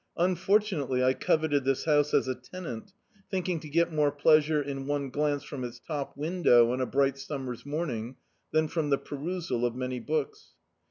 Un fortunately, I coveted this house as a tenant, think ing to get more pleasure in one glance from its top window on . a bri^t summer's morning than from the perusal of many books.